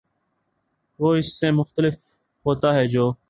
وہ اس سے مختلف ہوتا ہے جو